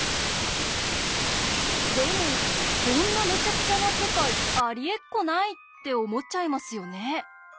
でも「こんなめちゃくちゃな世界ありえっこない！」って思っちゃいますよね？